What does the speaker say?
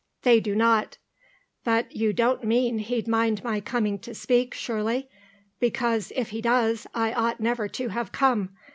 "They do not. But you don't mean he'd mind my coming to speak, surely? Because, if he does, I ought never to have come.